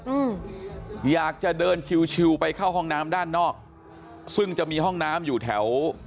อืมอยากจะเดินชิวชิลไปเข้าห้องน้ำด้านนอกซึ่งจะมีห้องน้ำอยู่แถว